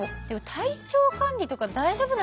体調管理とか大丈夫なんですか。